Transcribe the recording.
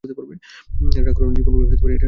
আরে, রাগ করো না, জীবনভর এটা করার অপেক্ষাতেই থেকেছি।